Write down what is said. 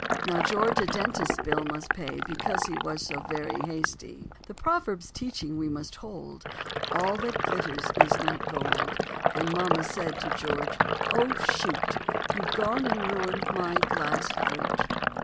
Now George a dentist's bill must pay Because he was so very hasty. The proverb's teachings we must hold "All that glitters is not gold." And mama said to George, "Oh, shoot, You've gone and ruined my glass fruit."